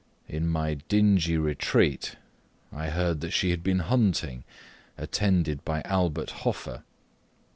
In my dingy retreat I heard that she had been hunting, attended by Albert Hoffer.